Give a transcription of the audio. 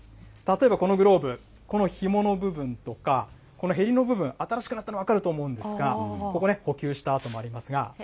例えばこのグローブ、このひもの部分とか、このへりの部分、新しくなったの分かると思うんですが、これ、捕球した跡もありますが。